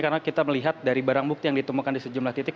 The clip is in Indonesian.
karena kita melihat dari barang bukti yang ditemukan di sejumlah titik